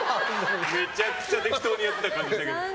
めちゃくちゃ適当にやってた感じでしたけど。